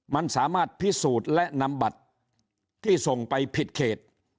มันสามารถพิสูจน์และนำบัตรที่ส่งไปผิดเขต